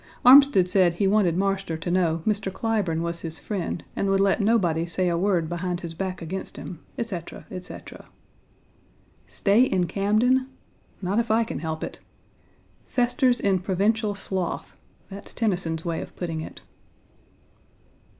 Armsted said he wanted Marster to know Mr. Clyburne was his friend and would let nobody say a word behind his back against him, etc., etc. Stay in Camden? Not if I can help it. "Festers in provincial sloth" that's Tennyson's way of putting it.